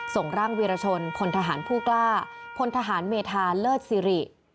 ส่งร่างวีรชนพลทหารผู้กล้าพลทหารเมธาเลิศสิริ